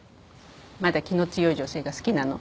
まだ気の強い女性が好きなの？